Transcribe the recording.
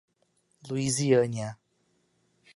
Luisiânia